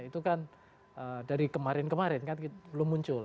itu kan dari kemarin kemarin kan belum muncul